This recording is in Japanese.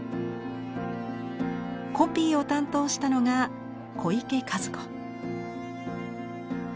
コピーを担当したのが小池一子。